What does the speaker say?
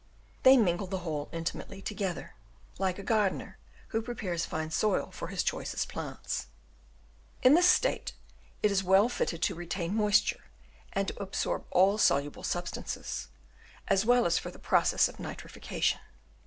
They mingle the whole intimately together, like a gardener who prepares fine soil for his choicest plants. In this state it is well fitted to retain moisture and to absorb all soluble substances, as well as for the process of nitri fication.